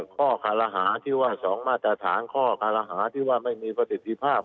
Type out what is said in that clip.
ข้อคารหาที่ว่า๒มาตรฐานข้อคารหาที่ว่าไม่มีประสิทธิภาพ